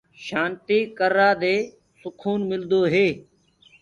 شآنتيٚ ڪررآ دي سڪون ملدوئي